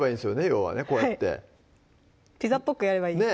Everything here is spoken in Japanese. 要はねこうやってピザっぽくやればいい